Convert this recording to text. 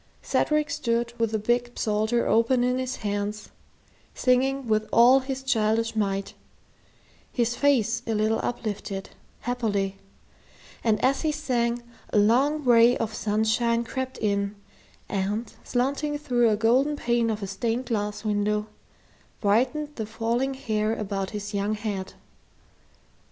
Cedric stood with the big psalter open in his hands, singing with all his childish might, his face a little uplifted, happily; and as he sang, a long ray of sunshine crept in and, slanting through a golden pane of a stained glass window, brightened the falling hair about his young head.